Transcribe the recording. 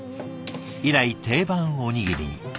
以来定番おにぎりに。